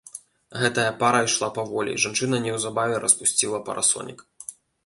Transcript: Гэтая пара ішла паволі, жанчына неўзабаве распусціла парасонік.